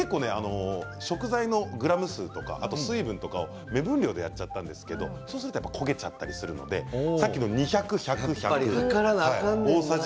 食材のグラム数とか水分とか目分量でやっちゃったんですけれど、そうすると焦げちゃったりするので先ほどの２００、１００、１００大さじ４。